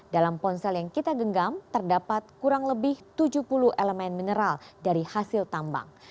dalam ponsel yang kita genggam terdapat kurang lebih tujuh puluh elemen mineral dari hasil tambang